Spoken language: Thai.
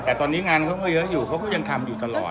แต่ตอนนี้งานเขาก็เยอะอยู่เขาก็ยังทำอยู่ตลอด